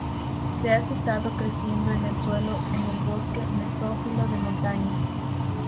Se ha citado creciendo en el suelo en el bosque mesófilo de montaña.